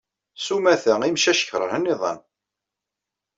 S umata, imcac keṛhen iḍan.